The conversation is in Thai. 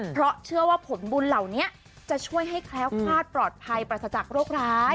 เพราะเชื่อว่าผลบุญเหล่านี้จะช่วยให้แคล้วคลาดปลอดภัยปราศจากโรคร้าย